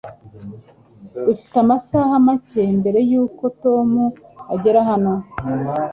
Dufite amasaha make mbere yuko Tom agera hano.